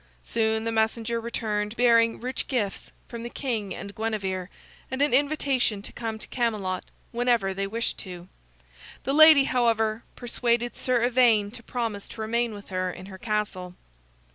Soon the messenger returned bearing rich gifts from the king and Guinevere, and an invitation to come to Camelot whenever they wished to. The lady, however, persuaded Sir Ivaine to promise to remain with her in her castle.